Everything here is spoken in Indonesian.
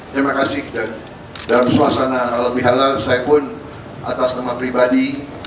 terima kasih dan dalam suasana halal bihalal saya pun atas nama pribadi